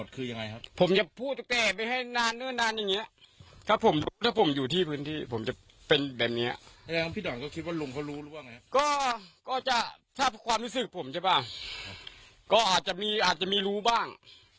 ก็จะถ้าเป็นความรู้สึกผมใช่ป่ะก็อาจจะมีรู้บ้าง